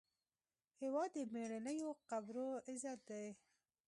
هېواد د میړنیو قبرو عزت دی.